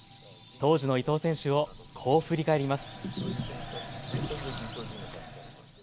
当時の伊東選手をこう振り返ります。